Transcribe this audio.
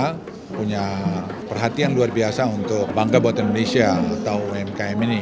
kita punya perhatian luar biasa untuk bangga buat indonesia atau umkm ini